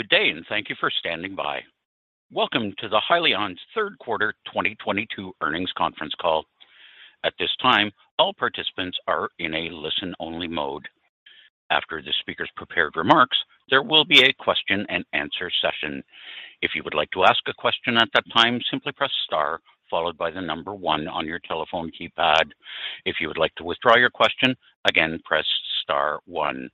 Good day, and thank you for standing by. Welcome to Hyliion's third quarter 2022 earnings conference call. At this time, all participants are in a listen-only mode. After the speaker's prepared remarks, there will be a question-and-answer session. If you would like to ask a question at that time, simply press star followed by the number 1 on your telephone keypad. If you would like to withdraw your question, again, press star 1.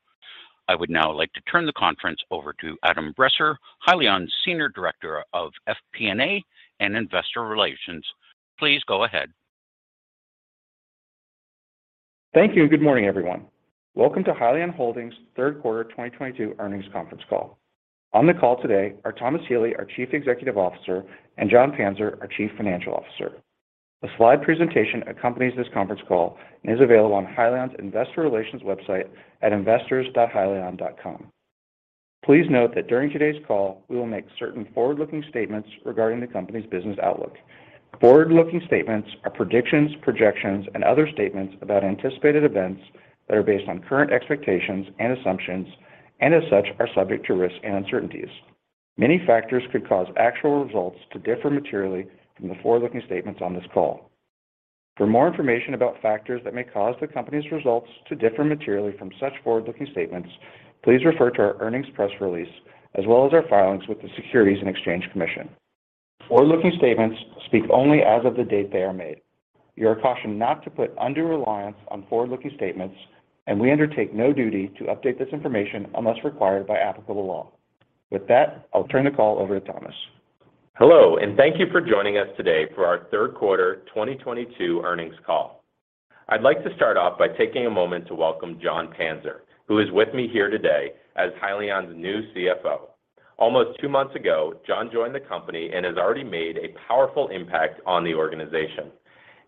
I would now like to turn the conference over to Adam Bresser, Hyliion's Senior Director of FP&A and Investor Relations. Please go ahead. Thank you, and good morning, everyone. Welcome to Hyliion Holdings Q3 2022 earnings conference call. On the call today are Thomas Healy, our Chief Executive Officer, and Jon Panzer, our Chief Financial Officer. A slide presentation accompanies this conference call and is available on Hyliion's investor relations website at investors.hyliion.com. Please note that during today's call, we will make certain forward-looking statements regarding the company's business outlook. Forward-looking statements are predictions, projections, and other statements about anticipated events that are based on current expectations and assumptions, and as such, are subject to risks and uncertainties. Many factors could cause actual results to differ materially from the forward-looking statements on this call. For more information about factors that may cause the company's results to differ materially from such forward-looking statements, please refer to our earnings press release, as well as our filings with the Securities and Exchange Commission. Forward-looking statements speak only as of the date they are made. You are cautioned not to put undue reliance on forward-looking statements, and we undertake no duty to update this information unless required by applicable law. With that, I'll turn the call over to Thomas. Hello, and thank you for joining us today for our Q3 2022 earnings call. I'd like to start off by taking a moment to welcome Jon Panzer, who is with me here today as Hyliion's new CFO. Almost two months ago, Jon joined the company and has already made a powerful impact on the organization.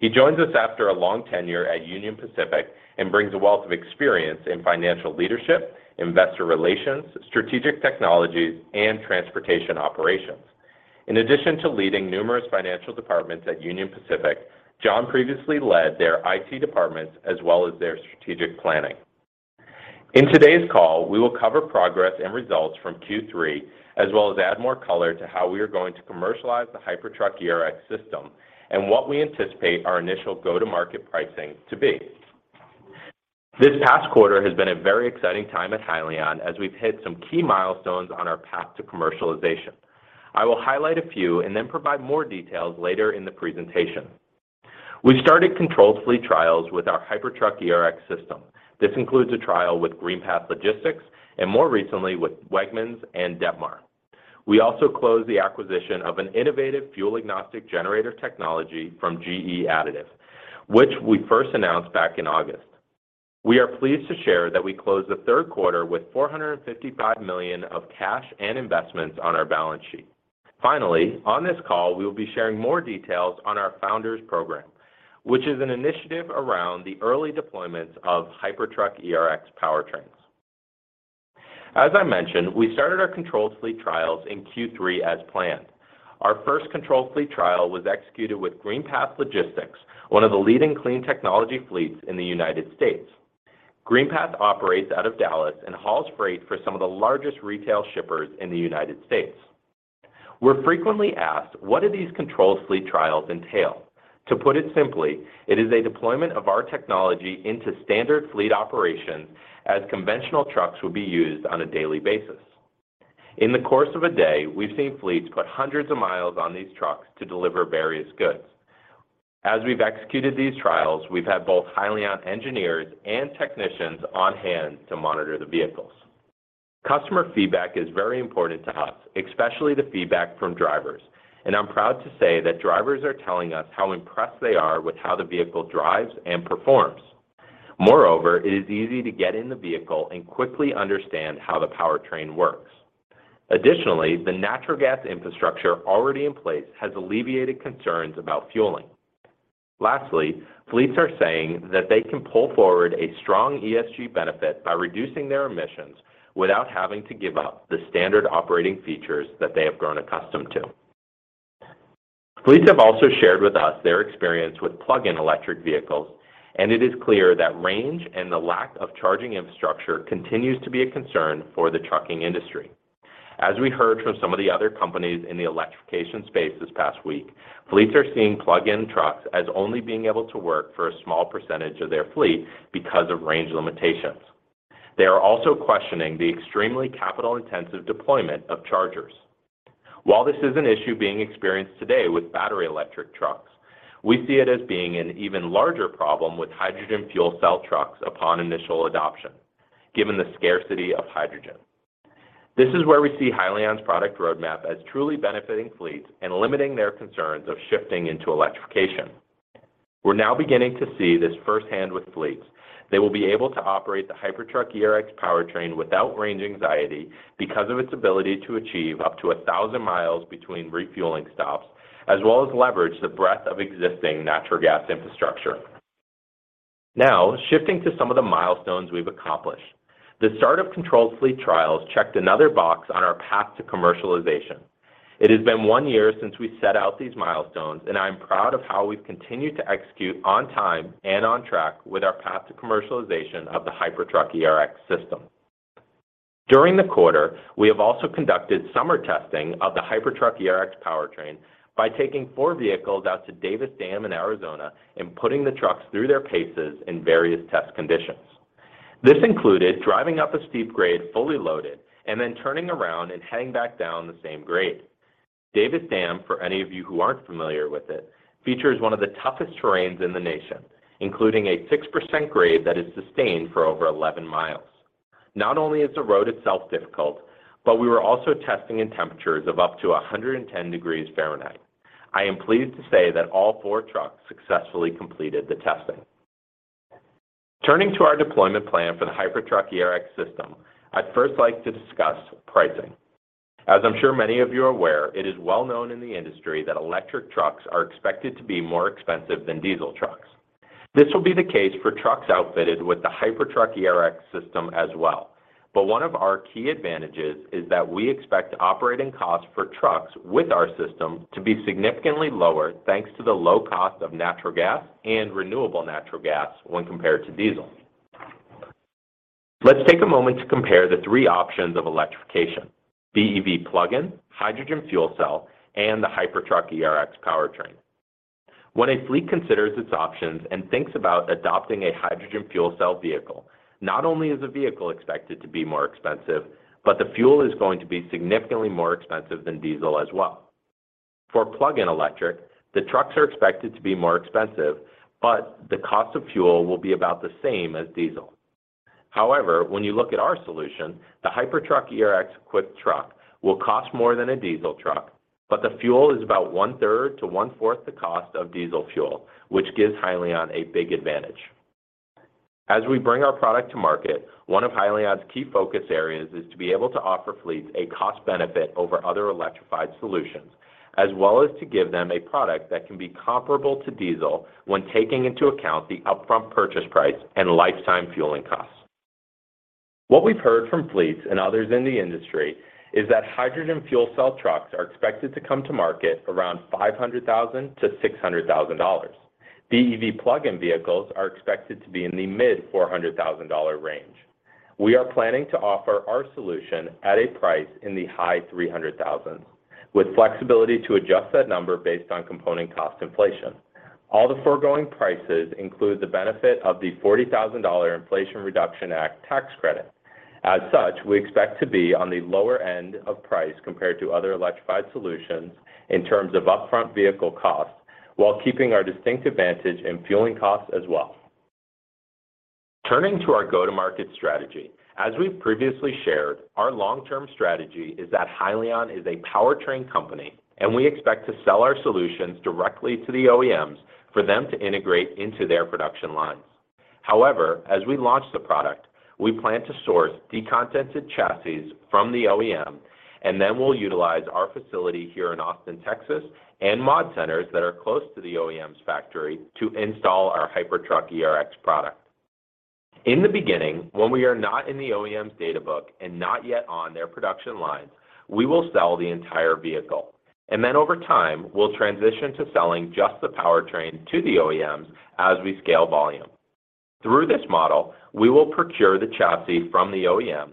He joins us after a long tenure at Union Pacific and brings a wealth of experience in financial leadership, investor relations, strategic technologies, and transportation operations. In addition to leading numerous financial departments at Union Pacific, Jon previously led their IT departments as well as their strategic planning. In today's call, we will cover progress and results from Q3, as well as add more color to how we are going to commercialize the Hypertruck ERX system and what we anticipate our initial go-to-market pricing to be. This past quarter has been a very exciting time at Hyliion as we've hit some key milestones on our path to commercialization. I will highlight a few and then provide more details later in the presentation. We started controlled fleet trials with our Hypertruck ERX system. This includes a trial with GreenPath Logistics and more recently with Wegmans and Detmar. We also closed the acquisition of an innovative fuel-agnostic generator technology from GE Additive, which we first announced back in August. We are pleased to share that we closed the Q3 with $455 million of cash and investments on our balance sheet. Finally, on this call, we will be sharing more details on our Founders Program, which is an initiative around the early deployments of Hypertruck ERX powertrains. As I mentioned, we started our controlled fleet trials in Q3 as planned. Our first controlled fleet trial was executed with GreenPath Logistics, one of the leading clean technology fleets in the United States. GreenPath operates out of Dallas and hauls freight for some of the largest retail shippers in the United States. We're frequently asked, what do these controlled fleet trials entail? To put it simply, it is a deployment of our technology into standard fleet operations as conventional trucks would be used on a daily basis. In the course of a day, we've seen fleets put hundreds of miles on these trucks to deliver various goods. As we've executed these trials, we've had both Hyliion engineers and technicians on hand to monitor the vehicles. Customer feedback is very important to us, especially the feedback from drivers, and I'm proud to say that drivers are telling us how impressed they are with how the vehicle drives and performs. Moreover, it is easy to get in the vehicle and quickly understand how the powertrain works. Additionally, the natural gas infrastructure already in place has alleviated concerns about fueling. Lastly, fleets are saying that they can pull forward a strong ESG benefit by reducing their emissions without having to give up the standard operating features that they have grown accustomed to. Fleets have also shared with us their experience with plug-in electric vehicles, and it is clear that range and the lack of charging infrastructure continues to be a concern for the trucking industry. As we heard from some of the other companies in the electrification space this past week, fleets are seeing plug-in trucks as only being able to work for a small percentage of their fleet because of range limitations. They are also questioning the extremely capital-intensive deployment of chargers. While this is an issue being experienced today with battery electric trucks, we see it as being an even larger problem with hydrogen fuel cell trucks upon initial adoption, given the scarcity of hydrogen. This is where we see Hyliion's product roadmap as truly benefiting fleets and limiting their concerns of shifting into electrification. We're now beginning to see this firsthand with fleets. They will be able to operate the Hypertruck ERX powertrain without range anxiety because of its ability to achieve up to 1,000 miles between refueling stops, as well as leverage the breadth of existing natural gas infrastructure. Now, shifting to some of the milestones we've accomplished. The start of controlled fleet trials checked another box on our path to commercialization. It has been one year since we set out these milestones, and I am proud of how we've continued to execute on time and on track with our path to commercialization of the Hypertruck ERX system. During the quarter, we have also conducted summer testing of the Hypertruck ERX powertrain by taking four vehicles out to Davis Dam in Arizona and putting the trucks through their paces in various test conditions. This included driving up a steep grade fully loaded and then turning around and heading back down the same grade. Davis Dam, for any of you who aren't familiar with it, features one of the toughest terrains in the nation, including a 6% grade that is sustained for over 11 miles. Not only is the road itself difficult, but we were also testing in temperatures of up to 110 degrees Fahrenheit. I am pleased to say that all four trucks successfully completed the testing. Turning to our deployment plan for the Hypertruck ERX system, I'd first like to discuss pricing. As I'm sure many of you are aware, it is well known in the industry that electric trucks are expected to be more expensive than diesel trucks. This will be the case for trucks outfitted with the Hypertruck ERX system as well. One of our key advantages is that we expect operating costs for trucks with our system to be significantly lower thanks to the low cost of natural gas and renewable natural gas when compared to diesel. Let's take a moment to compare the three options of electrification, BEV plugin, hydrogen fuel cell, and the Hypertruck ERX powertrain. When a fleet considers its options and thinks about adopting a hydrogen fuel cell vehicle, not only is the vehicle expected to be more expensive, but the fuel is going to be significantly more expensive than diesel as well. For plug-in electric, the trucks are expected to be more expensive, but the cost of fuel will be about the same as diesel. However, when you look at our solution, the Hypertruck ERX equipped truck will cost more than a diesel truck, but the fuel is about one-third to one-fourth the cost of diesel fuel, which gives Hyliion a big advantage. As we bring our product to market, one of Hyliion's key focus areas is to be able to offer fleets a cost benefit over other electrified solutions, as well as to give them a product that can be comparable to diesel when taking into account the upfront purchase price and lifetime fueling costs. What we've heard from fleets and others in the industry is that hydrogen fuel cell trucks are expected to come to market around $500,000-$600,000. BEV plugin vehicles are expected to be in the mid-400,000 range. We are planning to offer our solution at a price in the high 300,000, with flexibility to adjust that number based on component cost inflation. All the foregoing prices include the benefit of the $40,000 Inflation Reduction Act tax credit. As such, we expect to be on the lower end of price compared to other electrified solutions in terms of upfront vehicle costs while keeping our distinct advantage in fueling costs as well. Turning to our go-to-market strategy, as we've previously shared, our long-term strategy is that Hyliion is a powertrain company, and we expect to sell our solutions directly to the OEMs for them to integrate into their production lines. However, as we launch the product, we plan to source decontented chassis from the OEM, and then we'll utilize our facility here in Austin, Texas, and mod centers that are close to the OEM's factory to install our Hypertruck ERX product. In the beginning, when we are not in the OEM's data book and not yet on their production lines, we will sell the entire vehicle. Over time, we'll transition to selling just the powertrain to the OEMs as we scale volume. Through this model, we will procure the chassis from the OEM,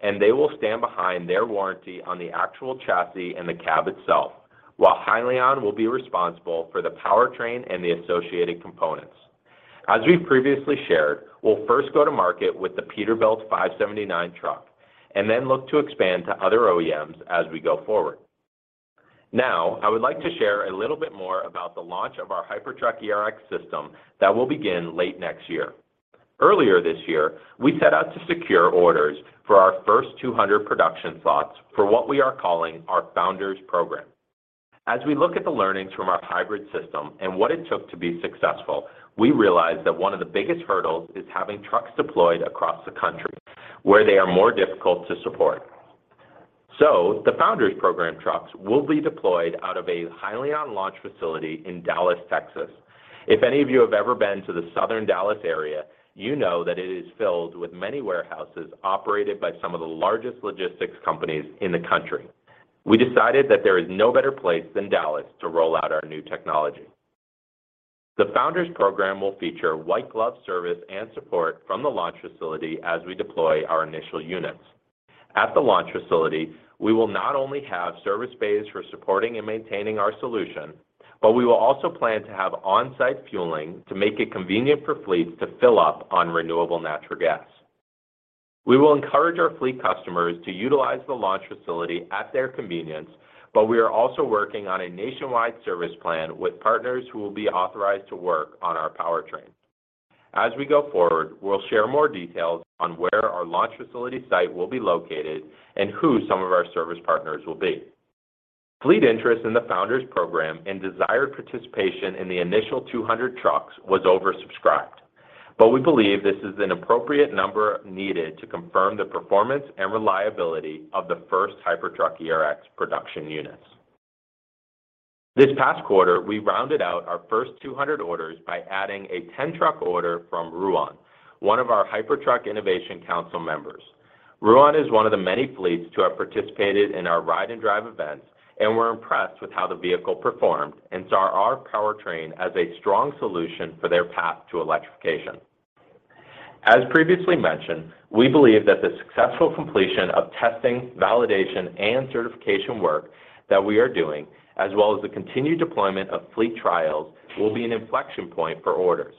and they will stand behind their warranty on the actual chassis and the cab itself, while Hyliion will be responsible for the powertrain and the associated components. As we previously shared, we'll first go to market with the Peterbilt 579 truck and then look to expand to other OEMs as we go forward. Now, I would like to share a little bit more about the launch of our Hypertruck ERX system that will begin late next year. Earlier this year, we set out to secure orders for our first 200 production slots for what we are calling our Founders Program. As we look at the learnings from our hybrid system and what it took to be successful, we realized that one of the biggest hurdles is having trucks deployed across the country where they are more difficult to support. The Founders Program trucks will be deployed out of a Hyliion launch facility in Dallas, Texas. If any of you have ever been to the southern Dallas area, that it is filled with many warehouses operated by some of the largest logistics companies in the country. We decided that there is no better place than Dallas to roll out our new technology. The Founders Program will feature white glove service and support from the launch facility as we deploy our initial units. At the launch facility, we will not only have service bays for supporting and maintaining our solution, but we will also plan to have on-site fueling to make it convenient for fleets to fill up on renewable natural gas. We will encourage our fleet customers to utilize the launch facility at their convenience, but we are also working on a nationwide service plan with partners who will be authorized to work on our powertrain. As we go forward, we'll share more details on where our launch facility site will be located and who some of our service partners will be. Fleet interest in the Founders Program and desired participation in the initial 200 trucks was oversubscribed, but we believe this is an appropriate number needed to confirm the performance and reliability of the first Hypertruck ERX production units. This past quarter, we rounded out our first 200 orders by adding a 10-truck order from Ruan, one of our Hypertruck Innovation Council members. Ruan is one of the many fleets to have participated in our ride and drive events and were impressed with how the vehicle performed and saw our powertrain as a strong solution for their path to electrification. As previously mentioned, we believe that the successful completion of testing, validation, and certification work that we are doing, as well as the continued deployment of fleet trials, will be an inflection point for orders.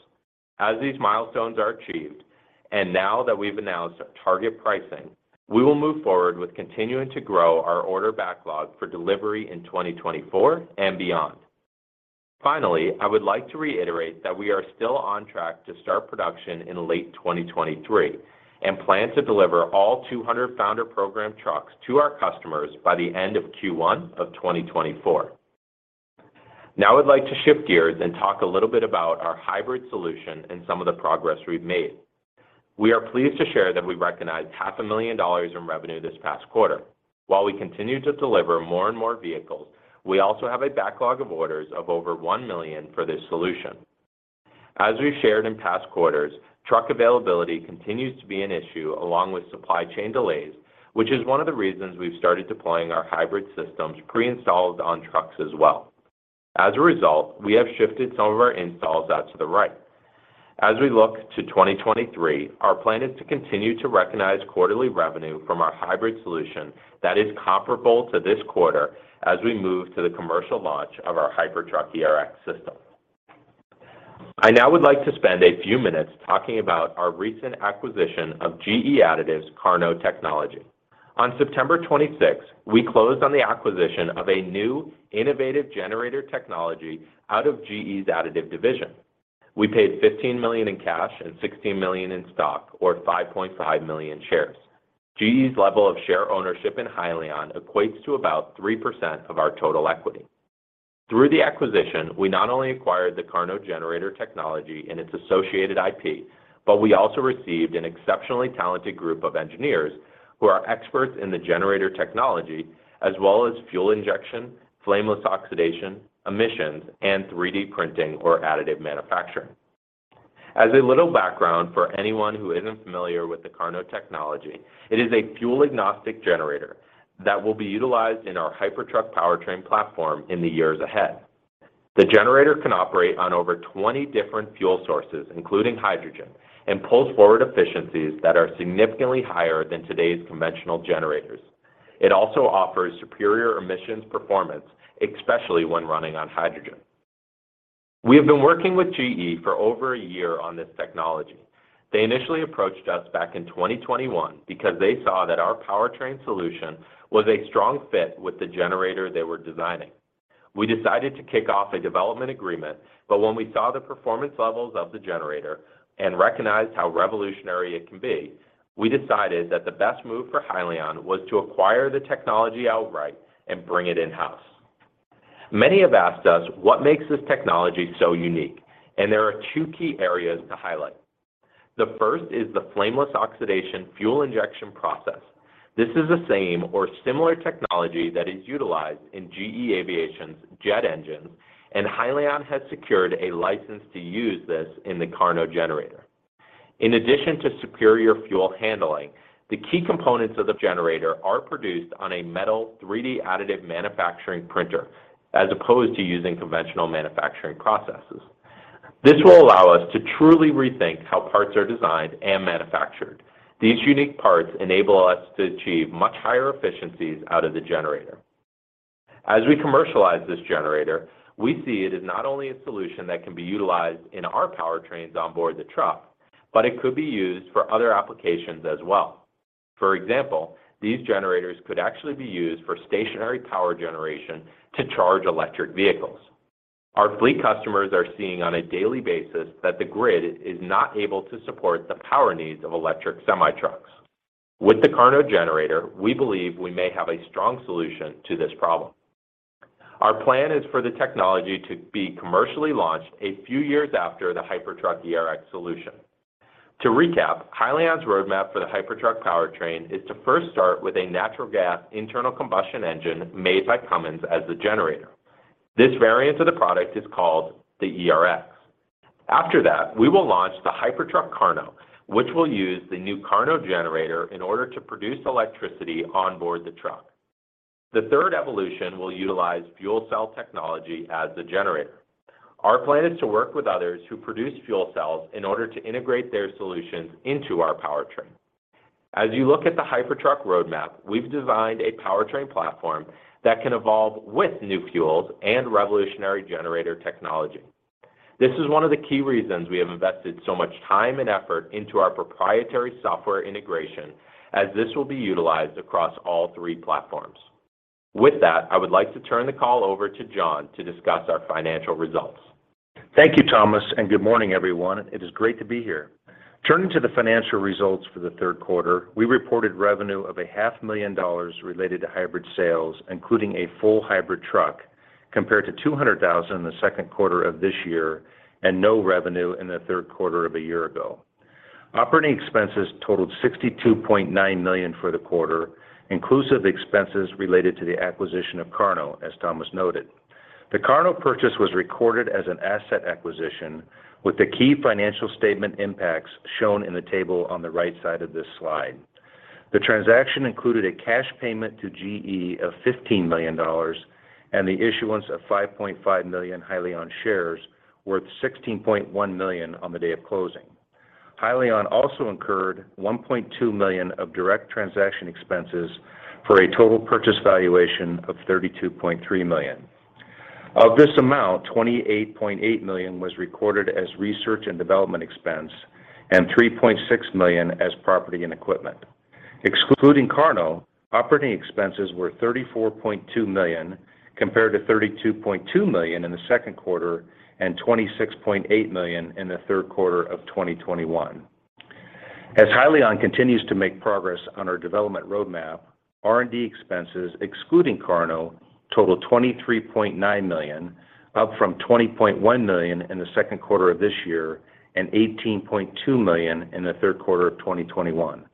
As these milestones are achieved, and now that we've announced our target pricing, we will move forward with continuing to grow our order backlog for delivery in 2024 and beyond. Finally, I would like to reiterate that we are still on track to start production in late 2023 and plan to deliver all 200 Founders Program trucks to our customers by the end of Q1 of 2024. Now I'd like to shift gears and talk a little bit about our hybrid solution and some of the progress we've made. We are pleased to share that we recognized half a million dollars in revenue this past quarter. While we continue to deliver more and more vehicles, we also have a backlog of orders of over $1 million for this solution. As we've shared in past quarters, truck availability continues to be an issue along with supply chain delays, which is one of the reasons we've started deploying our hybrid systems pre-installed on trucks as well. As a result, we have shifted some of our installs out to the right. As we look to 2023, our plan is to continue to recognize quarterly revenue from our hybrid solution that is comparable to this quarter as we move to the commercial launch of our Hypertruck ERX system. I now would like to spend a few minutes talking about our recent acquisition of GE Additive's Karno technology. On September 26th, we closed on the acquisition of a new, innovative generator technology out of GE Additive. We paid $15 million in cash and $16 million in stock, or 5.5 million shares. GE's level of share ownership in Hyliion equates to about 3% of our total equity. Through the acquisition, we not only acquired the Karno generator technology and its associated IP, but we also received an exceptionally talented group of engineers who are experts in the generator technology as well as fuel injection, flameless oxidation, emissions, and 3D printing or additive manufacturing. As a little background for anyone who isn't familiar with the Karno technology, it is a fuel-agnostic generator that will be utilized in our Hypertruck powertrain platform in the years ahead. The generator can operate on over 20 different fuel sources, including hydrogen, and pulls forward efficiencies that are significantly higher than today's conventional generators. It also offers superior emissions performance, especially when running on hydrogen. We have been working with GE for over a year on this technology. They initially approached us back in 2021 because they saw that our powertrain solution was a strong fit with the generator they were designing. We decided to kick off a development agreement, but when we saw the performance levels of the generator and recognized how revolutionary it can be, we decided that the best move for Hyliion was to acquire the technology outright and bring it in-house. Many have asked us what makes this technology so unique, and there are two key areas to highlight. The first is the flameless oxidation fuel injection process. This is the same or similar technology that is utilized in GE Aviation's jet engines, and Hyliion has secured a license to use this in the Karno generator. In addition to superior fuel handling, the key components of the generator are produced on a metal 3D additive manufacturing printer as opposed to using conventional manufacturing processes. This will allow us to truly rethink how parts are designed and manufactured. These unique parts enable us to achieve much higher efficiencies out of the generator. As we commercialize this generator, we see it as not only a solution that can be utilized in our powertrains on board the truck, but it could be used for other applications as well. For example, these generators could actually be used for stationary power generation to charge electric vehicles. Our fleet customers are seeing on a daily basis that the grid is not able to support the power needs of electric semi-trucks. With the Karno generator, we believe we may have a strong solution to this problem. Our plan is for the technology to be commercially launched a few years after the Hypertruck ERX solution. To recap, Hyliion's roadmap for the Hypertruck powertrain is to first start with a natural gas internal combustion engine made by Cummins as the generator. This variant of the product is called the ERX. After that, we will launch the Hypertruck Karno, which will use the new Karno generator in order to produce electricity on board the truck. The third evolution will utilize fuel cell technology as the generator. Our plan is to work with others who produce fuel cells in order to integrate their solutions into our powertrain. As you look at the Hypertruck roadmap, we've designed a powertrain platform that can evolve with new fuels and revolutionary generator technology. This is one of the key reasons we have invested so much time and effort into our proprietary software integration as this will be utilized across all three platforms. With that, I would like to turn the call over to Jon to discuss our financial results. Thank you, Thomas, and good morning, everyone. It is great to be here. Turning to the financial results for the Q3, we reported revenue of a half million dollars related to hybrid sales, including a full hybrid truck, compared to $200,000 in the Q2 of this year and no revenue in the Q3 of a year ago. Operating expenses totaled $62.9 million for the quarter, inclusive expenses related to the acquisition of karno, as Thomas noted. The karno purchase was recorded as an asset acquisition with the key financial statement impacts shown in the table on the right side of this slide. The transaction included a cash payment to GE of $15 million and the issuance of 5.5 million Hyliion shares worth $16.1 million on the day of closing. Hyliion also incurred $1.2 million of direct transaction expenses for a total purchase valuation of $32.3 million. Of this amount, $28.8 million was recorded as research and development expense and $3.6 million as property and equipment. Excluding karno, operating expenses were $34.2 million compared to $32.2 million in the Q2 and $26.8 million in the Q3of 2021. As Hyliion continues to make progress on our development roadmap, R&D expenses excluding karno totaled $23.9 million, up from $20.1 million in the Q2 of this year and $18.2 million in the Q3 of 2021.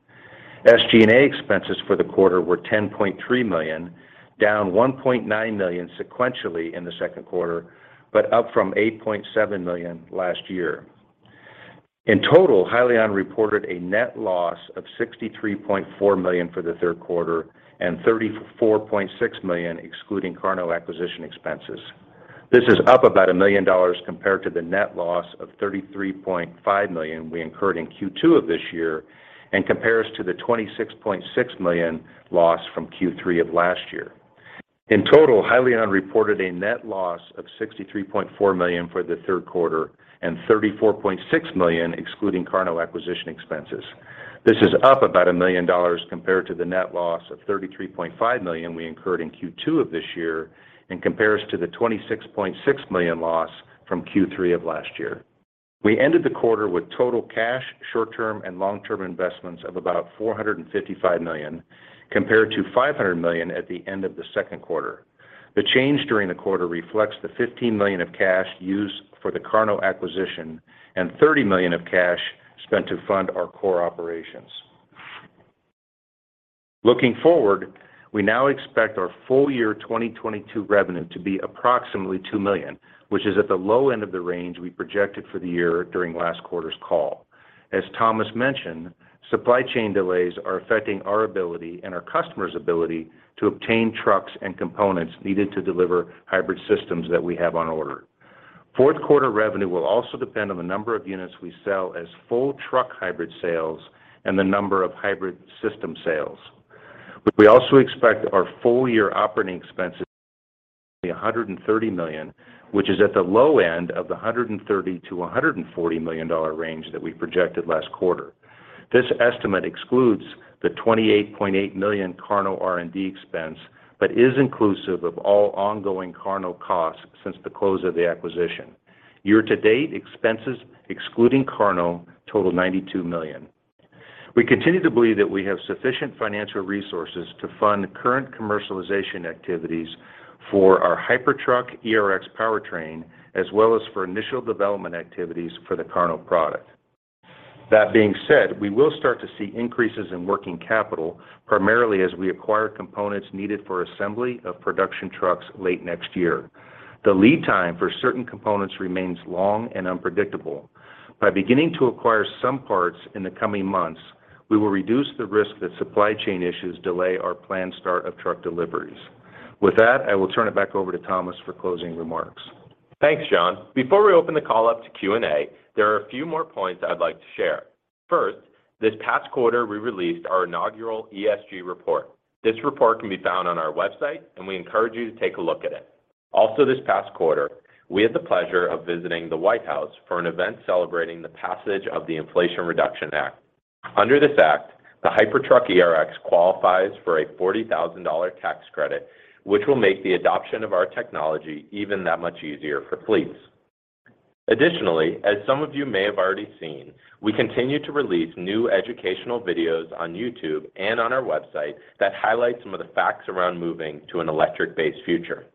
SG&A expenses for the quarter were $10.3 million, down $1.9 million sequentially in the Q2, but up from $8.7 million last year. In total, Hyliion reported a net loss of $63.4 million for the Q3 and $34.6 million excluding karno acquisition expenses. This is up about $1 million compared to the net loss of $33.5 million we incurred in Q2 of this year and compares to the $26.6 million loss from Q3 of last year. We ended the quarter with total cash, short-term and long-term investments of about $455 million, compared to $500 million at the end of the Q2. The change during the quarter reflects the $15 million of cash used for the karno acquisition and $30 million of cash spent to fund our core operations. Looking forward, we now expect our full-year 2022 revenue to be approximately $2 million, which is at the low end of the range we projected for the year during last quarter's call. As Thomas mentioned, supply chain delays are affecting our ability and our customers' ability to obtain trucks and components needed to deliver hybrid systems that we have on order. Q4 revenue will also depend on the number of units we sell as full truck hybrid sales and the number of hybrid system sales. We also expect our full year operating expenses to be $130 million, which is at the low end of the $130-$140 million range that we projected last quarter. This estimate excludes the $28.8 million karno R&D expense, but is inclusive of all ongoing karno costs since the close of the acquisition. Year-to-date expenses excluding karno total $92 million. We continue to believe that we have sufficient financial resources to fund current commercialization activities for our Hypertruck ERX powertrain, as well as for initial development activities for the karno product. That being said, we will start to see increases in working capital, primarily as we acquire components needed for assembly of production trucks late next year. The lead time for certain components remains long and unpredictable. By beginning to acquire some parts in the coming months, we will reduce the risk that supply chain issues delay our planned start of truck deliveries. With that, I will turn it back over to Thomas for closing remarks. Thanks, Jon. Before we open the call up to Q&A, there are a few more points I'd like to share. First, this past quarter we released our inaugural ESG report. This report can be found on our website, and we encourage you to take a look at it. Also this past quarter, we had the pleasure of visiting the White House for an event celebrating the passage of the Inflation Reduction Act. Under this act, the Hypertruck ERX qualifies for a $40,000 tax credit, which will make the adoption of our technology even that much easier for fleets. Additionally, as some of you may have already seen, we continue to release new educational videos on YouTube and on our website that highlight some of the facts around moving to an electric-based future.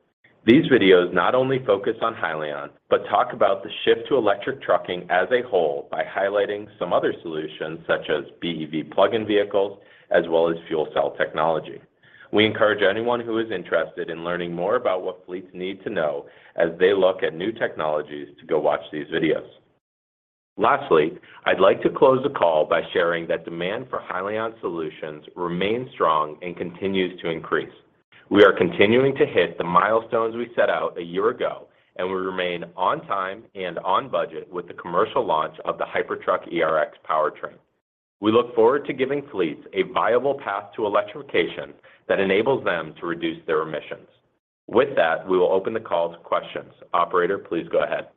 These videos not only focus on Hyliion, but talk about the shift to electric trucking as a whole by highlighting some other solutions such as BEV plug-in vehicles as well as fuel cell technology. We encourage anyone who is interested in learning more about what fleets need to know as they look at new technologies to go watch these videos. Lastly, I'd like to close the call by sharing that demand for Hyliion solutions remains strong and continues to increase. We are continuing to hit the milestones we set out a year ago, and we remain on time and on budget with the commercial launch of the Hypertruck ERX powertrain. We look forward to giving fleets a viable path to electrification that enables them to reduce their emissions. With that, we will open the call to questions. Operator, please go ahead.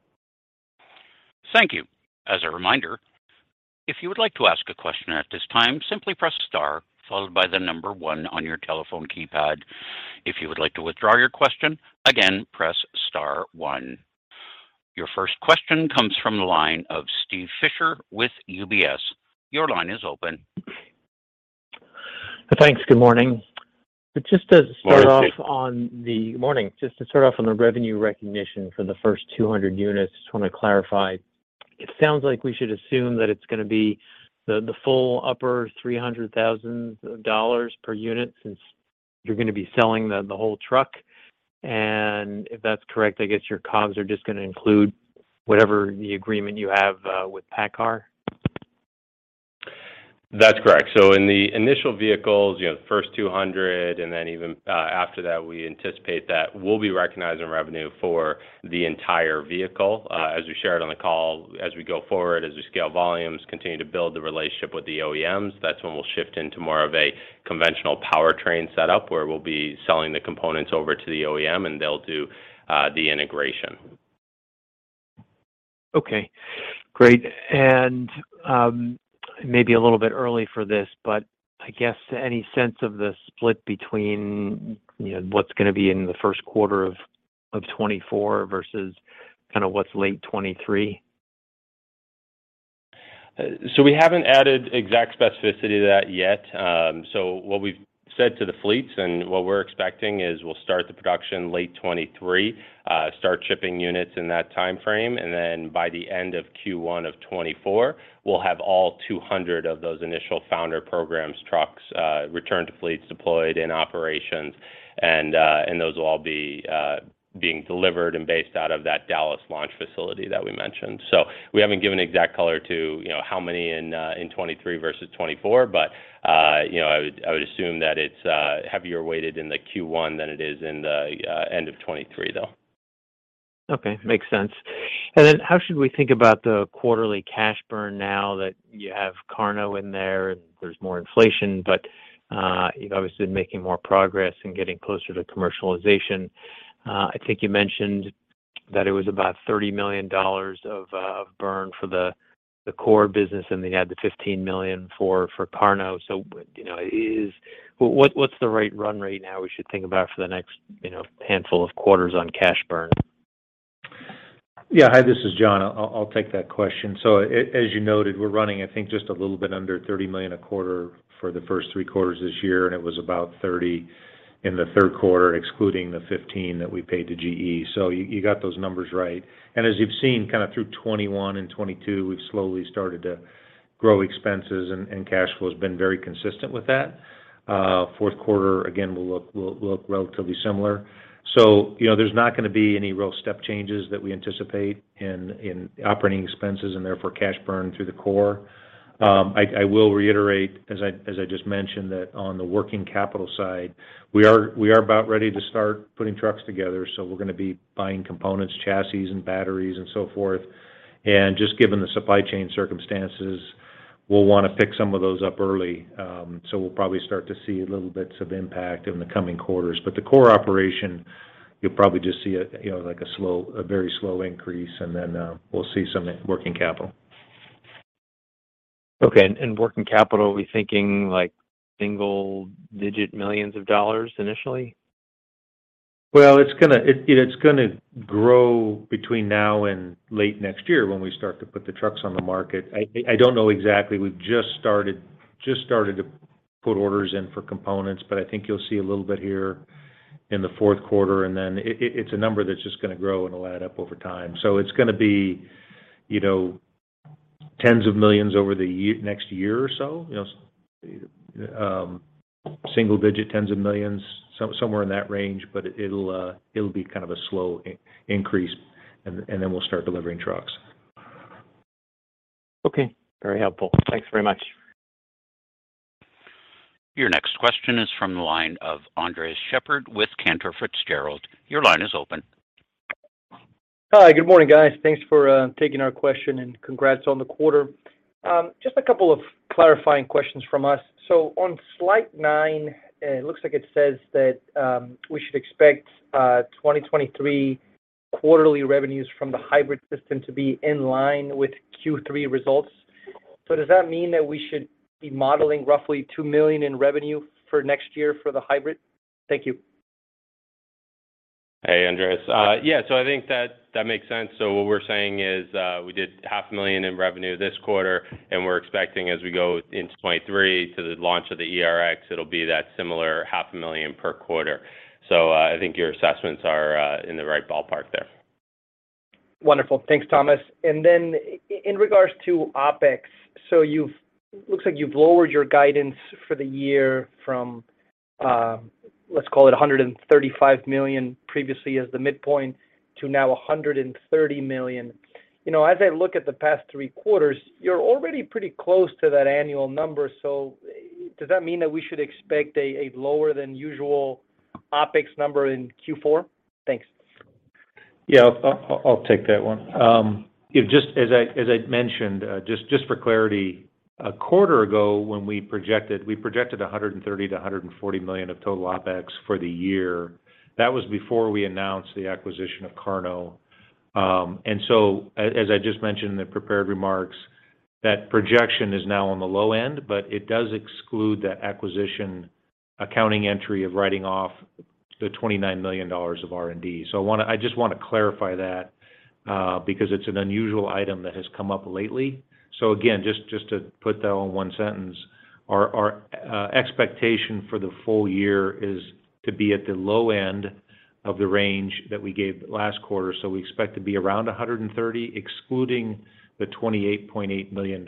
Thank you. As a reminder, if you would like to ask a question at this time, simply press star followed by the number one on your telephone keypad. If you would like to withdraw your question, again press star one. Your first question comes from the line of Steven Fisher with UBS. Your line is open. Thanks. Good morning. Morning, Steve. Morning. Just to start off on the revenue recognition for the first 200 units, just wanna clarify. It sounds like we should assume that it's gonna be the full upper $300,000 per unit, since you're gonna be selling the whole truck. If that's correct, I guess your costs are just gonna include whatever the agreement you have with PACCAR? That's correct. In the initial vehicles, the first 200, and then even after that, we anticipate that we'll be recognizing revenue for the entire vehicle. As we shared on the call, as we go forward, as we scale volumes, continue to build the relationship with the OEMs, that's when we'll shift into more of a conventional powertrain setup, where we'll be selling the components over to the OEM and they'll do the integration. Okay, great. It may be a little bit early for this, but I guess any sense of the split between, what's gonna be in the Q1 of 2024 versus kinda what's late 2023? We haven't added exact specificity to that yet. What we've said to the fleets and what we're expecting is we'll start the production late 2023, start shipping units in that timeframe. By the end of Q1 of 2024, we'll have all 200 of those initial Founders Program trucks returned to fleets, deployed in operations. Those will all be being delivered and based out of that Dallas launch facility that we mentioned. We haven't given exact color to, how many in 2023 versus 2024. You know, I would assume that it's heavier weighted in the Q1 than it is in the end of 2023, though. Okay. Makes sense. How should we think about the quarterly cash burn now that you have karno in there and there's more inflation, but you've obviously been making more progress and getting closer to commercialization? I think you mentioned that it was about $30 million of burn for the core business, and then you had the $15 million for karno. You know, what's the right run rate now we should think about for the next, handful of quarters on cash burn? Yeah. Hi, this is Jon. I'll take that question. As you noted, we're running, I think, just a little bit under $30 million a quarter for the first Q3 this year, and it was about $30 million in the Q3, excluding the $15 million that we paid to GE. You got those numbers right. As you've seen, kinda through 2021 and 2022, we've slowly started to grow expenses, and cash flow has been very consistent with that. Q4 again will look relatively similar. You know, there's not gonna be any real step changes that we anticipate in operating expenses, and therefore cash burn through the core. I will reiterate, as I just mentioned, that on the working capital side, we are about ready to start putting trucks together, so we're gonna be buying components, chassis and batteries and so forth. Just given the supply chain circumstances, we'll wanna pick some of those up early. So we'll probably start to see little bits of impact in the coming quarters. The core operation, you'll probably just see, like a very slow increase, and then we'll see some in working capital. Okay. Working capital, are we thinking like single digit millions of dollars initially? Well, it's gonna grow between now and late next year when we start to put the trucks on the market. I don't know exactly. We've just started to put orders in for components, but I think you'll see a little bit here in the Q4. It's a number that's just gonna grow and will add up over time. It's gonna be, $ tens of millions over the next year or so. You know, single digit $ tens of millions, somewhere in that range. It'll be kind of a slow increase, and then we'll start delivering trucks. Okay. Very helpful. Thanks very much. Your next question is from the line of Andres Sheppard with Cantor Fitzgerald. Your line is open. Hi. Good morning, guys. Thanks for taking our question, and congrats on the quarter. Just a couple of clarifying questions from us. On slide nine, it looks like it says that we should expect 2023 quarterly revenues from the hybrid system to be in line with Q3 results. Does that mean that we should be modeling roughly $2 million in revenue for next year for the hybrid? Thank you. Hey, Andres. Yeah, I think that makes sense. What we're saying is, we did $ half a million in revenue this quarter, and we're expecting as we go into 2023 to the launch of the ERX, it'll be that similar $ half a million per quarter. I think your assessments are in the right ballpark there. Wonderful. Thanks, Thomas. In regards to OpEx, looks like you've lowered your guidance for the year from, let's call it $135 million previously as the midpoint to now $130 million. You know, as I look at the past three quarters, you're already pretty close to that annual number. Does that mean that we should expect a lower than usual OpEx number in Q4? Thanks. Yeah. I'll take that one. Yeah, just as I'd mentioned, just for clarity, a quarter ago when we projected 130-140 million of total OpEx for the year. That was before we announced the acquisition of karno. As I just mentioned in the prepared remarks, that projection is now on the low end, but it does exclude the acquisition accounting entry of writing off the $29 million of R&D. I just wanna clarify that, because it's an unusual item that has come up lately. Again, just to put that all in one sentence, our expectation for the full year is to be at the low end of the range that we gave last quarter. We expect to be around $130 million, excluding the $28.8 million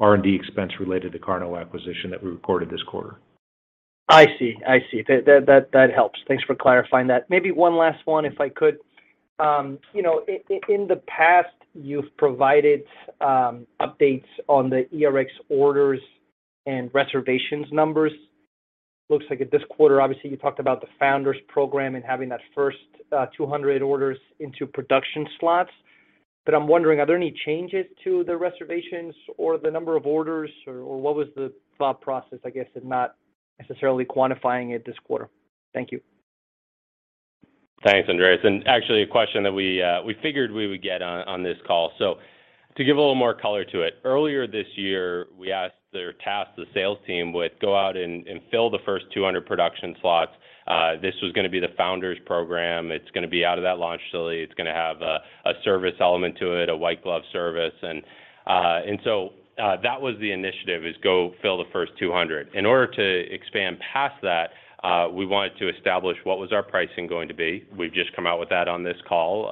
R&D expense related to karno acquisition that we recorded this quarter. I see. That helps. Thanks for clarifying that. Maybe one last one, if I could. You know, in the past, you've provided updates on the ERX orders and reservations numbers. Looks like in this quarter, obviously, you talked about the Founders Program and having that first 200 orders into production slots. I'm wondering, are there any changes to the reservations or the number of orders, or what was the thought process, I guess, in not necessarily quantifying it this quarter? Thank you. Thanks, Andres. Actually, a question that we figured we would get on this call. To give a little more color to it, earlier this year, we asked or tasked the sales team with go out and fill the first 200 production slots. This was gonna be the Founders Program. It's gonna be out of that launch facility. It's gonna have a service element to it, a white glove service. That was the initiative, is go fill the first 200. In order to expand past that, we wanted to establish what was our pricing going to be. We've just come out with that on this call.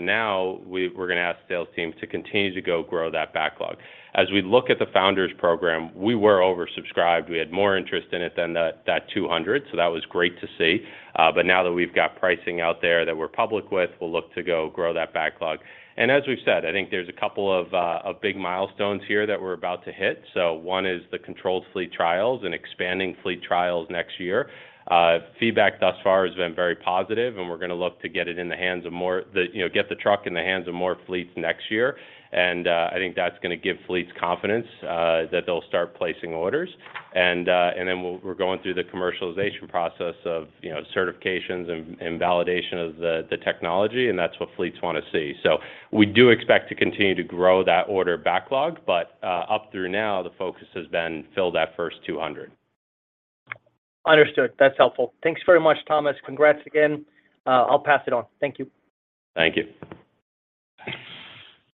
Now we're gonna ask the sales team to continue to go grow that backlog. As we look at the Founders Program, we were oversubscribed. We had more interest in it than that 200, so that was great to see. Now that we've got pricing out there that we're public with, we'll look to go grow that backlog. As we've said, I think there's a couple of big milestones here that we're about to hit. One is the controlled fleet trials and expanding fleet trials next year. Feedback thus far has been very positive, and we're gonna look to get the truck in the hands of more fleets next year. I think that's gonna give fleets confidence that they'll start placing orders. Then we're going through the commercialization process of, certifications and validation of the technology, and that's what fleets wanna see. We do expect to continue to grow that order backlog, but up through now, the focus has been to fill that first 200. Understood. That's helpful. Thanks very much, Thomas. Congrats again. I'll pass it on. Thank you. Thank you.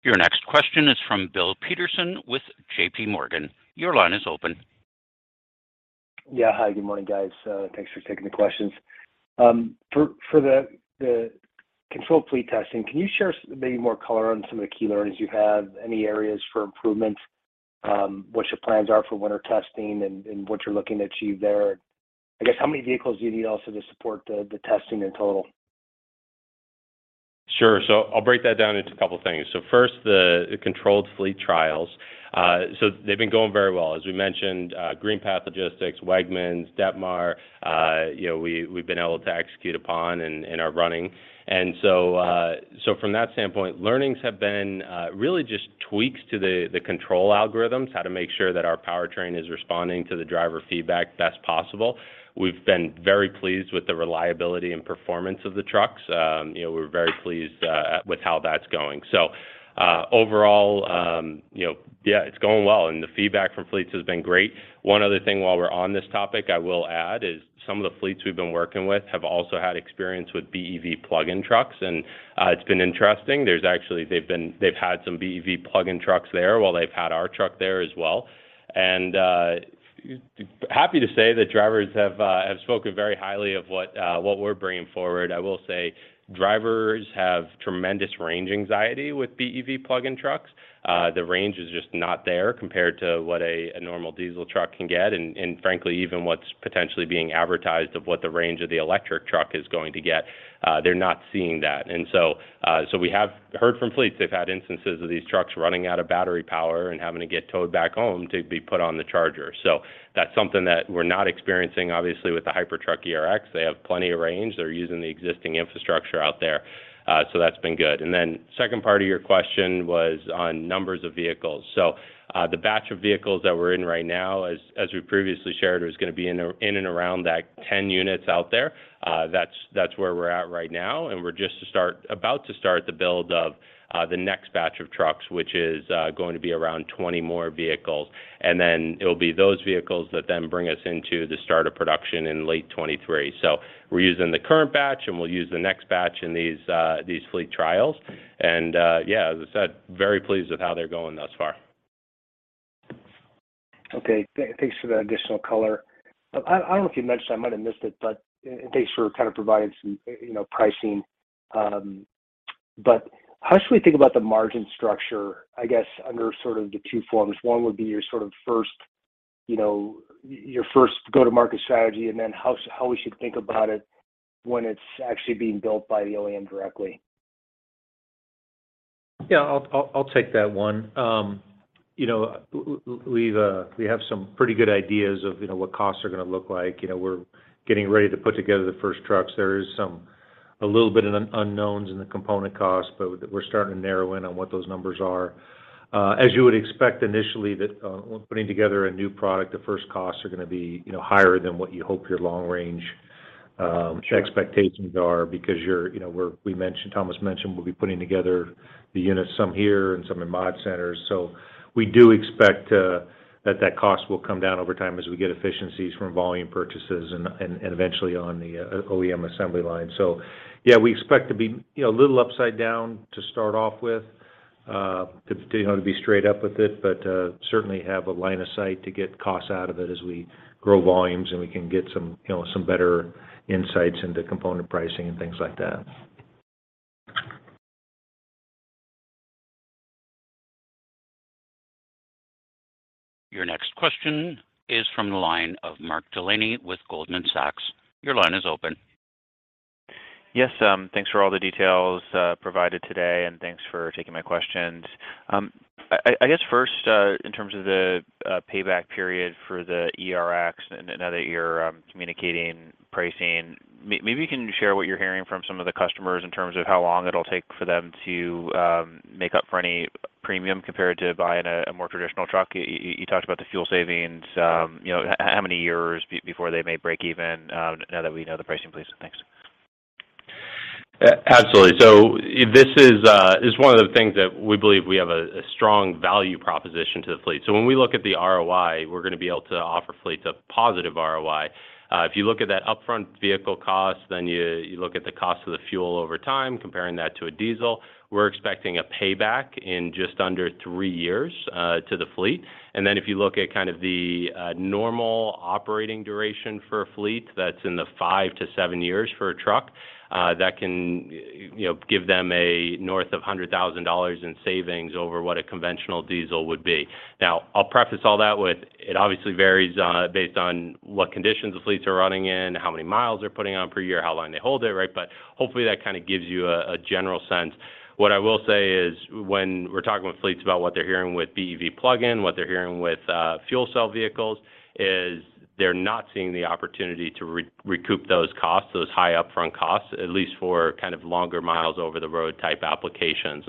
Your next question is from Bill Peterson with JP Morgan. Your line is open. Yeah. Hi, good morning, guys. Thanks for taking the questions. For the controlled fleet testing, can you share maybe more color on some of the key learnings you have, any areas for improvements, what your plans are for winter testing and what you're looking to achieve there? I guess how many vehicles do you need also to support the testing in total? Sure. I'll break that down into a couple things. First, the controlled fleet trials. They've been going very well. As we mentioned, GreenPath Logistics, Wegmans, Detmar, we've been able to execute upon and are running. From that standpoint, learnings have been really just tweaks to the control algorithms, how to make sure that our powertrain is responding to the driver feedback best possible. We've been very pleased with the reliability and performance of the trucks. You know, we're very pleased with how that's going. Overall, yeah, it's going well, and the feedback from fleets has been great. One other thing while we're on this topic I will add is some of the fleets we've been working with have also had experience with BEV plug-in trucks, and it's been interesting. There's actually, they've had some BEV plug-in trucks there while they've had our truck there as well. Happy to say that drivers have spoken very highly of what we're bringing forward. I will say drivers have tremendous range anxiety with BEV plug-in trucks. The range is just not there compared to what a normal diesel truck can get, and frankly, even what's potentially being advertised of what the range of the electric truck is going to get, they're not seeing that. We have heard from fleets, they've had instances of these trucks running out of battery power and having to get towed back home to be put on the charger. That's something that we're not experiencing, obviously, with the Hypertruck ERX. They have plenty of range. They're using the existing infrastructure out there, so that's been good. Second part of your question was on numbers of vehicles. The batch of vehicles that we're in right now, as we previously shared, was gonna be in and around that 10 units out there. That's where we're at right now, and we're just about to start the build of the next batch of trucks, which is going to be around 20 more vehicles. It'll be those vehicles that then bring us into the start of production in late 2023. We're using the current batch, and we'll use the next batch in these fleet trials. Yeah, as I said, very pleased with how they're going thus far. Okay. Thanks for the additional color. I don't know if you mentioned, I might have missed it, but and thanks for kind of providing some, pricing. But how should we think about the margin structure, I guess, under sort of the two forms? One would be your sort of first, your first go-to-market strategy, and then how we should think about it when it's actually being built by the OEM directly. Yeah. I'll take that one. You know, we have some pretty good ideas of, what costs are gonna look like. You know, we're getting ready to put together the first trucks. There is some, a little bit of unknowns in the component cost, but we're starting to narrow in on what those numbers are. As you would expect initially that, putting together a new product, the first costs are gonna be, higher than what you hope your long range Expectations are because you're, Thomas mentioned we'll be putting together the units, some here and some in mod centers. We do expect that cost will come down over time as we get efficiencies from volume purchases and eventually on the OEM assembly line. Yeah, we expect to be, a little upside down to start off with, to be straight up with it, but certainly have a line of sight to get costs out of it as we grow volumes and we can get, some better insights into component pricing and things like that. Your next question is from the line of Mark Delaney with Goldman Sachs. Your line is open. Yes, thanks for all the details provided today, and thanks for taking my questions. I guess first, in terms of the payback period for the ERX and now that you're communicating pricing, maybe you can share what you're hearing from some of the customers in terms of how long it'll take for them to make up for any premium compared to buying a more traditional truck. You talked about the fuel savings, how many years before they may break even, now that we know the pricing, please? Thanks. Absolutely. This is one of the things that we believe we have a strong value proposition to the fleet. When we look at the ROI, we're gonna be able to offer fleets a positive ROI. If you look at that upfront vehicle cost, then you look at the cost of the fuel over time, comparing that to a diesel, we're expecting a payback in just under three years to the fleet. Then if you look at kind of the normal operating duration for a fleet, that's in the five-seven years for a truck, that can, give them north of $100,000 in savings over what a conventional diesel would be. Now, I'll preface all that with it obviously varies based on what conditions the fleets are running in, how many miles they're putting on per year, how long they hold it, right? Hopefully that kind of gives you a general sense. What I will say is when we're talking with fleets about what they're hearing with BEV plug-in, what they're hearing with fuel cell vehicles is they're not seeing the opportunity to recoup those costs, those high upfront costs, at least for kind of longer miles over the road type applications.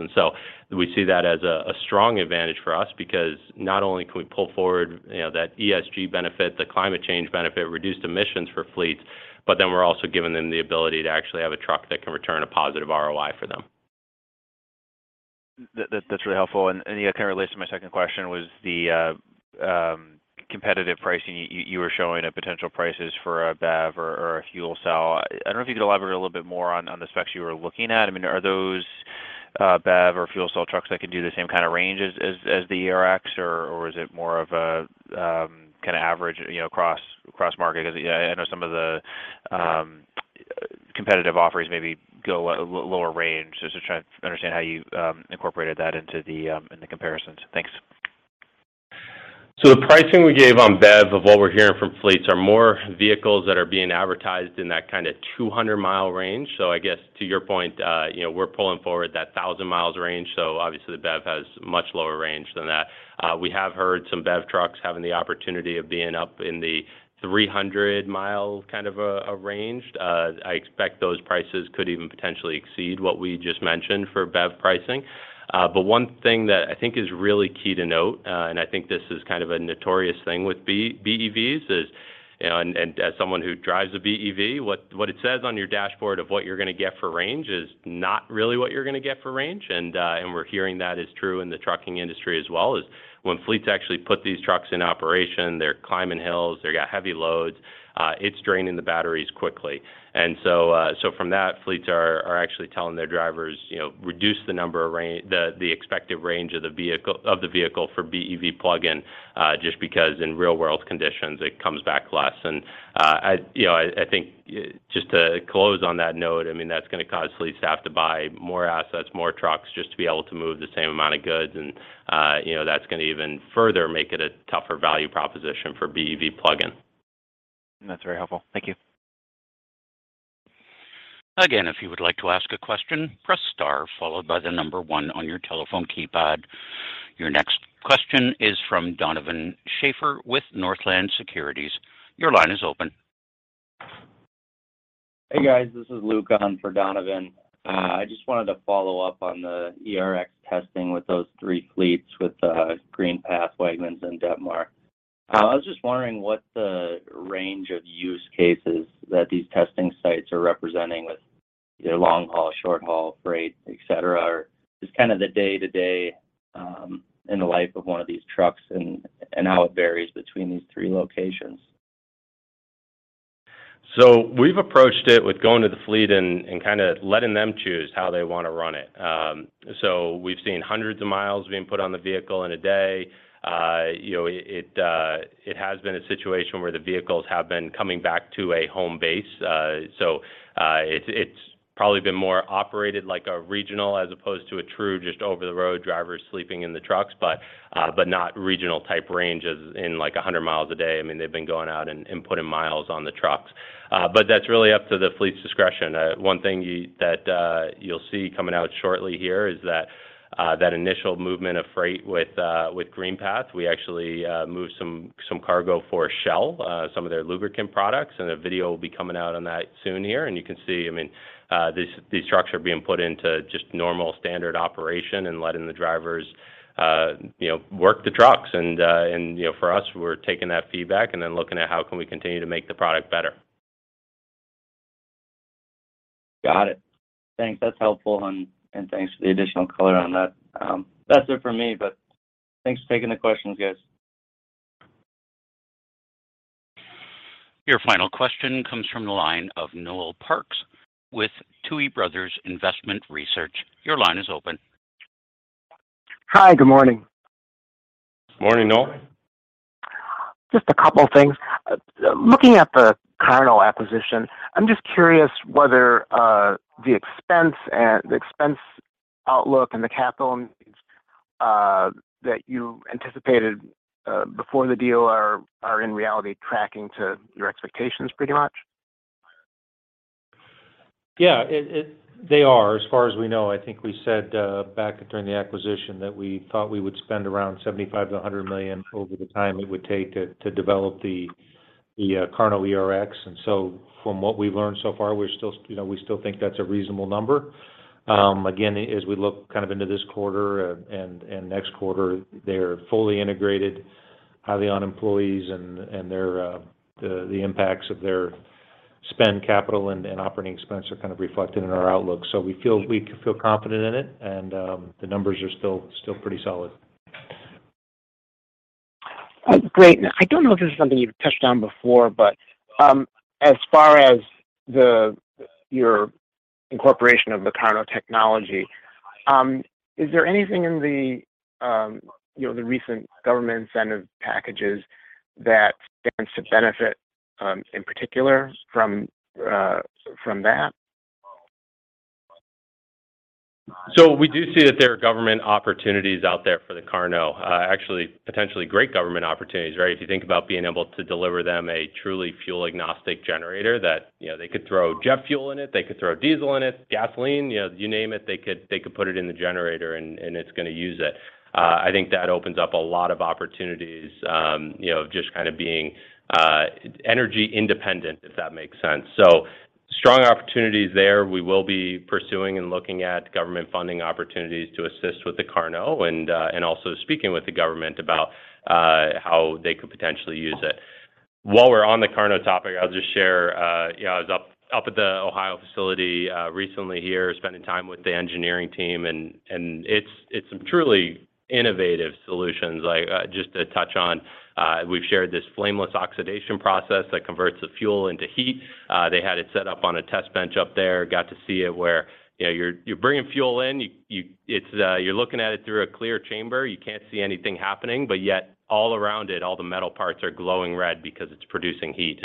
We see that as a strong advantage for us because not only can we pull forward, that ESG benefit, the climate change benefit, reduced emissions for fleets, but then we're also giving them the ability to actually have a truck that can return a positive ROI for them. That's really helpful. Yeah, kind of related to my second question was the competitive pricing you were showing at potential prices for a BEV or a fuel cell. I don't know if you could elaborate a little bit more on the specs you were looking at. I mean, are those BEV or fuel cell trucks that can do the same kind of range as the ERX, or is it more of a kind of average, cross market? I know some of the competitive offers maybe go a lower range. Just trying to understand how you incorporated that into the comparisons. Thanks. The pricing we gave on BEV of what we're hearing from fleets are more vehicles that are being advertised in that kind of 200-mile range. I guess to your point, we're pulling forward that 1,000-mile range. Obviously the BEV has much lower range than that. We have heard some BEV trucks having the opportunity of being up in the 300-mile kind of a range. I expect those prices could even potentially exceed what we just mentioned for BEV pricing. One thing that I think is really key to note, and I think this is kind of a notorious thing with BEVs. You know, as someone who drives a BEV, what it says on your dashboard of what you're gonna get for range is not really what you're gonna get for range. We're hearing that is true in the trucking industry as well, when fleets actually put these trucks in operation, they're climbing hills, they've got heavy loads, it's draining the batteries quickly. From that, fleets are actually telling their drivers, reduce the expected range of the vehicle for BEV plug-in, just because in real-world conditions it comes back less. You know, I think just to close on that note, I mean, that's gonna cause fleets to have to buy more assets, more trucks just to be able to move the same amount of goods and, that's gonna even further make it a tougher value proposition for BEV plug-in. That's very helpful. Thank you. Again, if you would like to ask a question, press star followed by the number one on your telephone keypad. Your next question is from Donovan Schafer with Northland Securities. Your line is open. Hey, guys. This is Luke on for Donovan. I just wanted to follow up on the ERX testing with those three fleets with GreenPath, Wegmans, and Detmar. I was just wondering what the range of use cases that these testing sites are representing with either long haul, short haul, freight, et cetera, or just kind of the day-to-day in the life of one of these trucks and how it varies between these three locations. We've approached it with going to the fleet and kinda letting them choose how they wanna run it. We've seen hundreds of miles being put on the vehicle in a day. You know, it has been a situation where the vehicles have been coming back to a home base. It's probably been more operated like a regional as opposed to a true just over the road driver sleeping in the trucks, but not regional type range as in like 100 miles a day. I mean, they've been going out and putting miles on the trucks. That's really up to the fleet's discretion. One thing that you'll see coming out shortly here is that initial movement of freight with GreenPath. We actually moved some cargo for Shell, some of their lubricant products, and a video will be coming out on that soon here. You can see, I mean, these trucks are being put into just normal standard operation and letting the drivers, work the trucks. You know, for us, we're taking that feedback and then looking at how can we continue to make the product better. Got it. Thanks. That's helpful and thanks for the additional color on that. That's it for me, but thanks for taking the questions, guys. Your final question comes from the line of Noel Parks with Tuohy Brothers Investment Research. Your line is open. Hi. Good morning. Morning, Noel. Just a couple of things. Looking at the karno acquisition, I'm just curious whether the expense and the expense outlook and the capital needs that you anticipated before the deal are in reality tracking to your expectations pretty much? Yeah. They are, as far as we know. I think we said back during the acquisition that we thought we would spend around $75 million-$100 million over the time it would take to develop the karno ERX. From what we've learned so far, we're still, we still think that's a reasonable number. Again, as we look kind of into this quarter and next quarter, they are fully integrated Hyliion employees and the impacts of their CapEx and operating expense are kind of reflected in our outlook. We feel confident in it and the numbers are still pretty solid. Great. I don't know if this is something you've touched on before, but as far as your incorporation of the karno technology, is there anything in the recent government incentive packages that stands to benefit in particular from that? We do see that there are government opportunities out there for the karno, actually potentially great government opportunities, right? If you think about being able to deliver them a truly fuel-agnostic generator that, you know, they could throw jet fuel in it, they could throw diesel in it, gasoline, you name it, they could put it in the generator and it's gonna use it. I think that opens up a lot of opportunities just kind of being energy independent, if that makes sense. Strong opportunities there. We will be pursuing and looking at government funding opportunities to assist with the karno and also speaking with the government about how they could potentially use it. While we're on the karno topic, I'll just share, I was up at the Ohio facility recently here, spending time with the engineering team and it's some truly innovative solutions. Like, just to touch on, we've shared this flameless oxidation process that converts the fuel into heat. They had it set up on a test bench up there, got to see it where, you're bringing fuel in. It's, you're looking at it through a clear chamber. You can't see anything happening, but yet all around it, all the metal parts are glowing red because it's producing heat.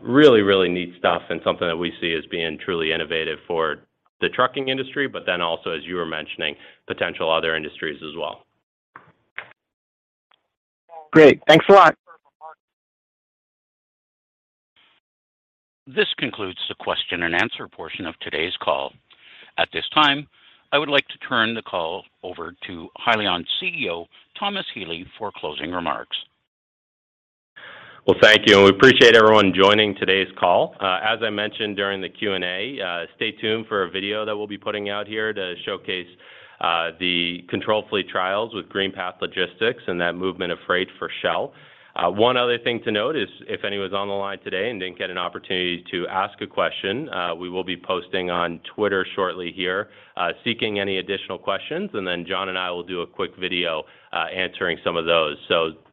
Really, really neat stuff and something that we see as being truly innovative for the trucking industry, but then also, as you were mentioning, potential other industries as well. Great. Thanks a lot. This concludes the question and answer portion of today's call. At this time, I would like to turn the call over to Hyliion's CEO, Thomas Healy, for closing remarks. Well, thank you, and we appreciate everyone joining today's call. As I mentioned during the Q&A, stay tuned for a video that we'll be putting out here to showcase the control fleet trials with GreenPath Logistics and that movement of freight for Shell. One other thing to note is if anyone's on the line today and didn't get an opportunity to ask a question, we will be posting on Twitter shortly here, seeking any additional questions, and then Jon and I will do a quick video answering some of those.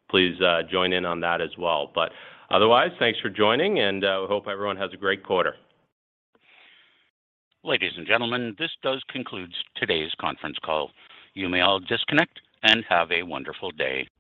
Please, join in on that as well. Otherwise, thanks for joining and, we hope everyone has a great quarter. Ladies and gentlemen, this does conclude today's conference call. You may all disconnect and have a wonderful day.